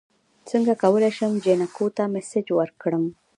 څنګه کولی شم جینکو ته میسج ورکړم